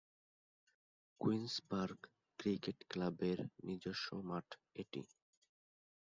Queen's Park cricket ক্লাবের নিজস্ব মাঠ এটি।